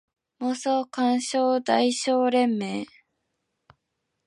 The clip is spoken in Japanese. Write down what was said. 妄想感傷代償連盟